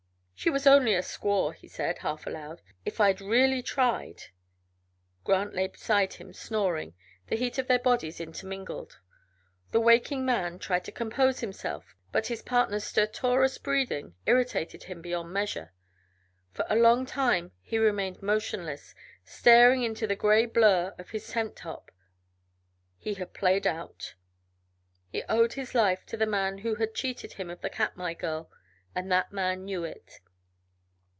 "She was only a squaw," he said, half aloud. "If I'd really tried " Grant lay beside him, snoring, the heat of their bodies intermingled. The waking man tried to compose himself, but his partner's stertorous breathing irritated him beyond measure; for a long time he remained motionless, staring into the gray blurr of the tent top. He had played out. He owed his life to the man who had cheated him of the Katmai girl, and that man knew it.